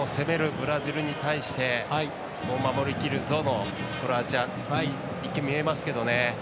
ブラジルに対して守りきるぞのクロアチアに一見、見えますけどね